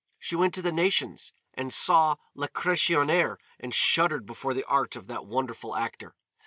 She went to the Nations and saw Lacressonière and shuddered before the art of that wonderful actor.